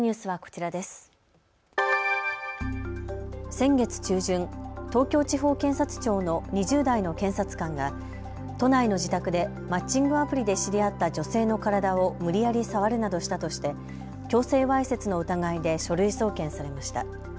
先月中旬、東京地方検察庁の２０代の検察官が都内の自宅でマッチングアプリで知り合った女性の体を無理やり触るなどしたとして強制わいせつの疑いで書類送検されました。